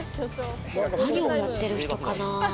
何をやってる人かな？